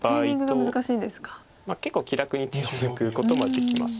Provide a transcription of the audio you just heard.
結構気楽に手を抜くこともできます。